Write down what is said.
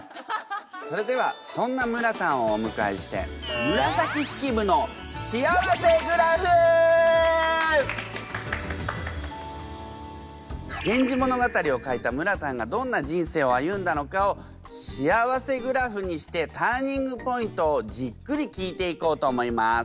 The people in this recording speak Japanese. それではそんなむらたんをおむかえして「源氏物語」を書いたむらたんがどんな人生を歩んだのかをしあわせグラフにしてターニングポイントをじっくり聞いていこうと思います。